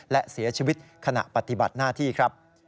และเสียชีวิตขณะปฏิบัติหน้าที่ครับ